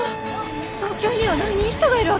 東京には何人人がいるわけ？